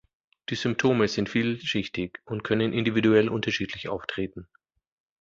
Die Symptome sind vielschichtig und können individuell unterschiedlich auftreten.